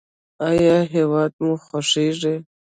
ایا هیواد مو خوښیږي؟